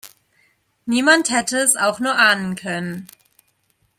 Niemand hätte es auch nur ahnen können.